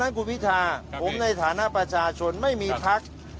ดังนั้นคุณวิทยาผมในฐานะประชาชนไม่มีพัก